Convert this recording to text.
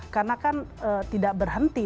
karena kan tidak berhenti